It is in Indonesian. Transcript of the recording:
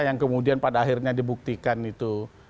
yang kemudian pada akhirnya dibuktikan itu